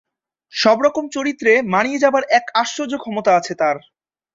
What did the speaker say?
সব রকম চরিত্রে মানিয়ে যাবার এক আশ্চর্য ক্ষমতা আছে তার।